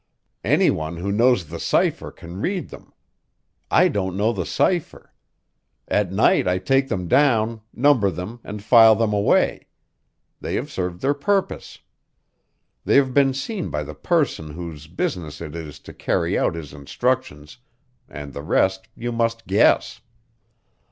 Any one who knows the cipher can read them. I don't know the cipher. At night I take them down, number them, and file them away. They have served their purpose. They have been seen by the person whose business it is to carry out his instructions, and the rest you must guess.